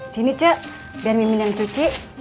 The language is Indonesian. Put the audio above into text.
sini c biar mimin yang cuci